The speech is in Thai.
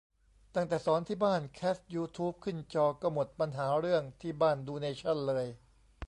ตั้งแต่สอนที่บ้านแคสยูทูปขึ้นจอก็หมดปัญหาเรื่องที่บ้านดูเนชั่นเลย